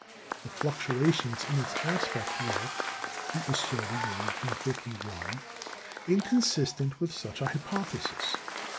The fluctuations in its aspect were, he asserted in 1851, inconsistent with such a hypothesis.